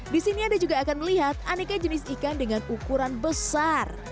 di sini anda juga akan melihat aneka jenis ikan dengan ukuran besar